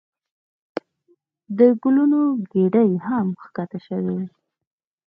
د ګلونو ګېډۍ هم ښکته شوې.